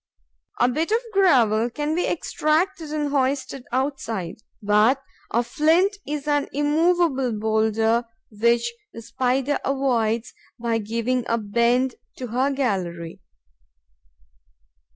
A bit of gravel can be extracted and hoisted outside; but a flint is an immovable boulder which the Spider avoids by giving a bend to her gallery.